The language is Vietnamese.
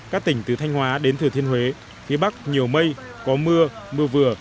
các tỉnh từ thanh hóa đến thừa thiên huế phía bắc nhiều mây có mưa mưa vừa